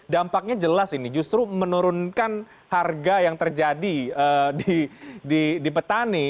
dampaknya jelas ini justru menurunkan harga yang terjadi di petani